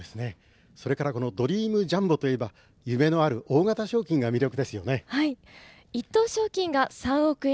それからドリームジャンボといえば夢のある１等賞金が３億円。